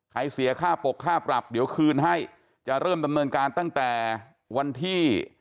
เสียค่าปกค่าปรับเดี๋ยวคืนให้จะเริ่มดำเนินการตั้งแต่วันที่